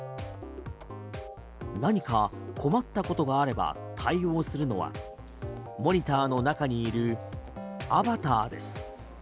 何か困ったことがあれば対応するのはモニターの中にいるアバターです。